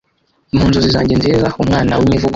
mu nzozi zanjye nziza, mwana wimivugo